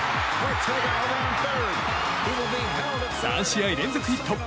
３試合連続ヒット。